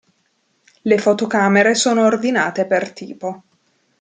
Le fotocamere sono ordinate per tipo.